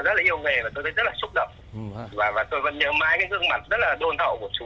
rất là yêu nghề và tôi thấy rất là xúc động và tôi vẫn nhớ mãi cái gương mặt rất là đôn hậu của chúng